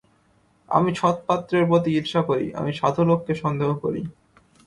আমি সৎপাত্রের প্রতি ঈর্ষা করি, আমি সাধুলোককে সন্দেহ করি।